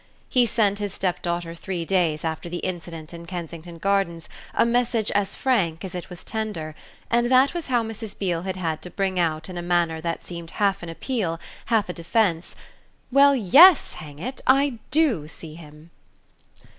He sent his stepdaughter three days after the incident in Kensington Gardens a message as frank as it was tender, and that was how Mrs. Beale had had to bring out in a manner that seemed half an appeal, half a defiance: "Well yes, hang it I DO see him!"